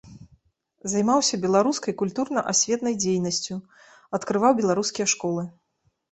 Займаўся беларускай культурна-асветнай дзейнасцю, адкрываў беларускія школы.